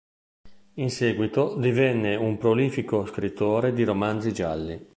In seguito divenne un prolifico scrittore di romanzi gialli.